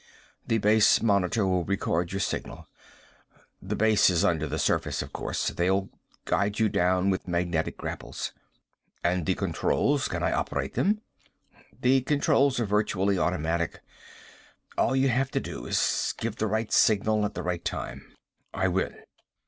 The Base monitor will record your signal. The Base is under the surface, of course. They'll guide you down with magnetic grapples." "And the controls? Can I operate them?" "The controls are virtually automatic. All you have to do is give the right signal at the right time." "I will."